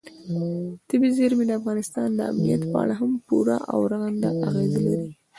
طبیعي زیرمې د افغانستان د امنیت په اړه هم پوره او رغنده اغېز لري.